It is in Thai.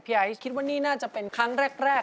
ไอซ์คิดว่านี่น่าจะเป็นครั้งแรก